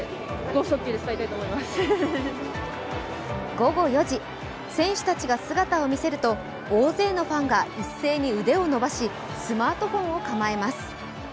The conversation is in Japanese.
午後４時、選手たちが姿を見せると大勢のファンが一斉に腕を伸ばしスマートフォンを構えます。